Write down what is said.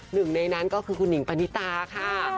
หนึ่งในนั้นก็คือคุณหิงปณิตาค่ะ